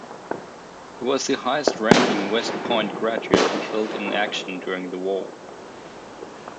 He was the highest ranking West Point graduate killed in action during the war.